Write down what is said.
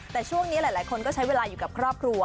แต่ช่วงนี้หลายคนก็ใช้เวลาอยู่กับครอบครัว